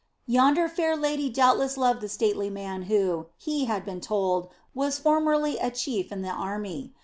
Yonder fair lady doubtless loved the stately man who, he had been told, was formerly a chief in the army.